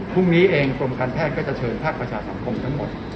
พรุ่งนี้เองกรมการแพทย์ก็จะเชิญภาคประชาสังคมทั้งหมด